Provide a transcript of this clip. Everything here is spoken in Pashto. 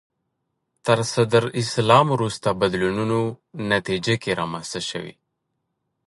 تر صدر اسلام وروسته بدلونونو نتیجه کې رامنځته شوي